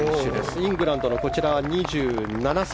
イングランドの２７歳。